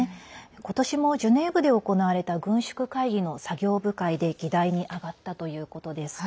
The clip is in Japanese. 今年もジュネーブで行われた軍縮会議の作業部会で議題に上がったということです。